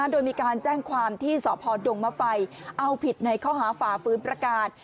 โดยมีการแจ้งความที่สพดงมไฟเอาผิดในข้อหาฝ่าฟื้นประกาศ